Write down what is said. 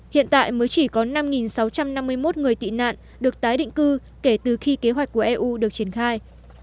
hiện tại mới chỉ có năm sáu trăm năm mươi một người tị nạn được tái định cư kể từ khi kế hoạch của eu được triển khai